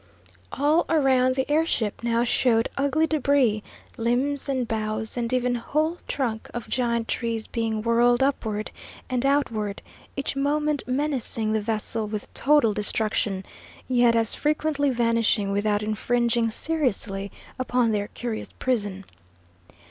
All around the air ship now showed ugly debris, limbs and boughs and even whole trunks of giant trees being whirled upward and outward, each moment menacing the vessel with total destruction, yet as frequently vanishing without infringing seriously upon their curious prison.